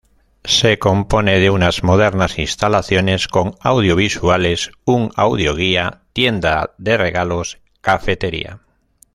Se compone de unas modernas instalaciones con audiovisuales, un audio-guía, tienda de regalos, cafetería...